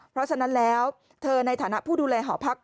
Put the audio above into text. เพราะฉะนั้นแล้วเธอในฐานะผู้ดูแลหอพัก